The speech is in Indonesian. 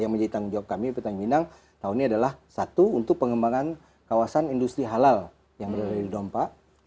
yang menjadi tanggung jawab kami pt minang tahun ini adalah satu untuk pengembangan kawasan industri halal yang berada di dompa